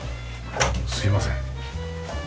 すいません。